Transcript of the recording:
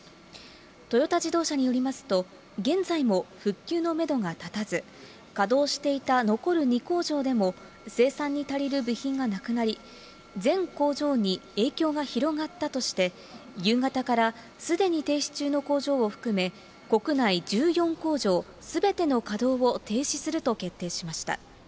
トヨタ自動車によりますと、現在も復旧のメドが立たず、稼働していた残る２工場でも、生産に足りる部品がなくなり、全工場に影響が広がったとして、夕方からすでに停止中の工場を含め、国内１４工場すべての稼働を停止すると決定しました。